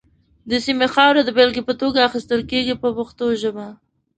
د سیمې خاوره د بېلګې په توګه اخیستل کېږي په پښتو ژبه.